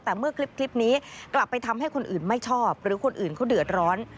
แต่เมื่อคลิปนี้กลับไปทำให้คนอื่นไม่ชอบหรือคนอื่นเขาเดือดร้อน